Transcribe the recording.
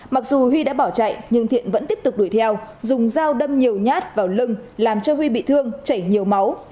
mặc dù huy đã bỏ chạy nhưng thiện vẫn tiếp tục đuổi theo dùng dao đâm nhiều nhát vào lưng làm cho huy bị thương chảy nhiều máu